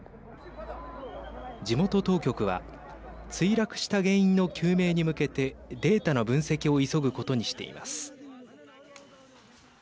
地元当局は墜落した原因の究明に向けてデータの分析を急ぐことにしています。